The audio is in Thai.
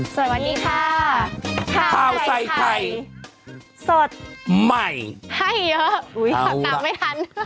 สวัสดีค่ะข่าวใส่ไข่สดใหม่ให้เยอะอุ้ยนับนับไม่ทัน